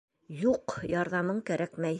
— Юҡ, ярҙамың кәрәкмәй.